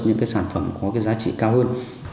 những cái sản phẩm có cái giá trị cao hơn